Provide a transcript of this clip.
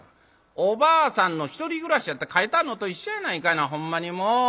おばあさんのひとり暮らしやて書いてあんのと一緒やないかいなほんまにもう。